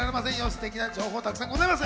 素敵な情報たくさんございます。